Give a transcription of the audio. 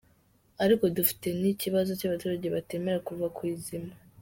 Ariko dufite n’ikibazo cy’abaturage batemera kuva ku izima “.